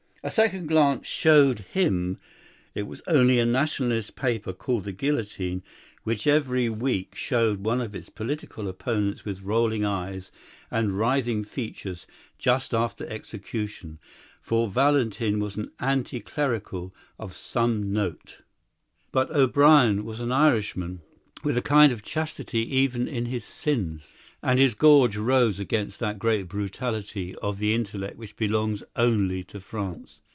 A second glance showed him it was only a Nationalist paper, called The Guillotine, which every week showed one of its political opponents with rolling eyes and writhing features just after execution; for Valentin was an anti clerical of some note. But O'Brien was an Irishman, with a kind of chastity even in his sins; and his gorge rose against that great brutality of the intellect which belongs only to France.